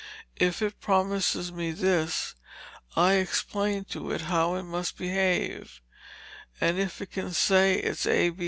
If it promises me this, I explain to it how it must behave; and if it can say its A.